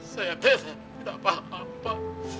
saya benar benar gak apa apa